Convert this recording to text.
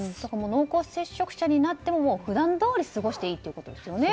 濃厚接触者になっても普段どおり過ごしていいということですね。